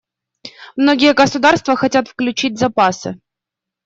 Многие государства хотят включить запасы.